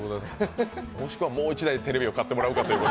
もしくは、もう１台テレビを買ってもらうか。